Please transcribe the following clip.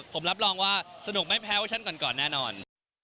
ผมรับรองว่าสนุกไม่แพ้เวอร์ชั่นก่อนแน่นอน